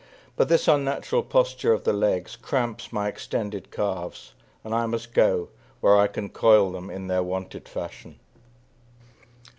But this unnatural posture of the legs Cramps my extended calves, and I must go Where I can coil them in their wonted fashion.